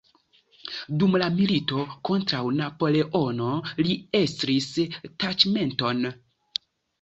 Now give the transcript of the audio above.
Dum la milito kontraŭ Napoleono li estris taĉmenton.